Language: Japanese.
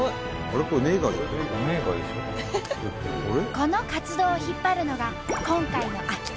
この活動を引っ張るのが今回の秋田ロコ